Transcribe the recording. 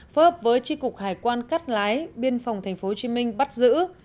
phối hợp với tri cục hải quan cát lái biên phòng tp hcm bắt giữ